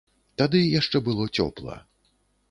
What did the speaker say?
Тады яшчэ было цёпла.